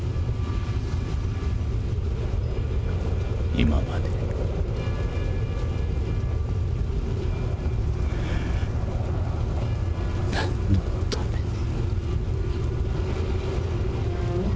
今まで何のために。